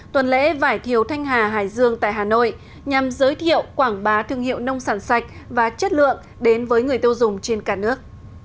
tuần lễ vải thiều thanh hà hải dương tại hà nội nhằm giới thiệu quảng bá thương hiệu nông sản sạch và chất lượng đến với người tiêu dùng trên cả nước